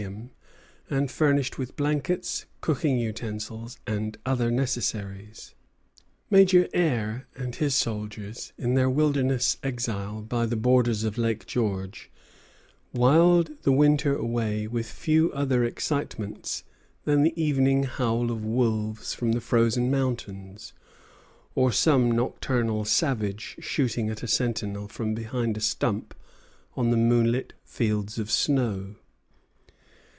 Major Eyre and his soldiers, in their wilderness exile by the borders of Lake George, whiled the winter away with few other excitements than the evening howl of wolves from the frozen mountains, or some nocturnal savage shooting at a sentinel from behind a stump on the moonlit fields of snow.